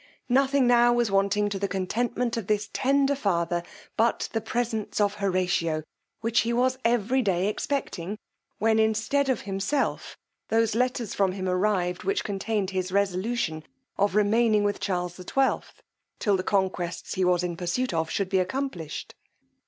Nothing now was wanting to the contentment of this tender father but the presence of Horatio, which he was every day expecting, when, instead of himself, those letters from him arrived which contained his resolution of remaining with Charles XII. till the conquests he was in pursuit of should be accomplished.